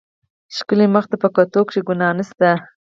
ښکلي مخ ته په کتو کښې ګناه نشته.